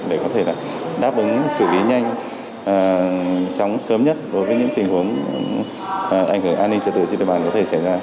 để có thể đáp ứng xử lý nhanh chóng sớm nhất đối với những tình huống ảnh hưởng an ninh trật tự trên địa bàn có thể xảy ra